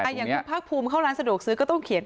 อย่างคุณภาคภูมิเข้าร้านสะดวกซื้อก็ต้องเขียน